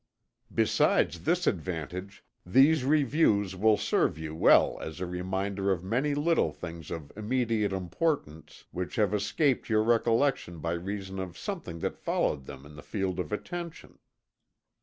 Besides this advantage, these reviews will serve you well as a reminder of many little things of immediate importance which have escaped your recollection by reason of something that followed them in the field of attention.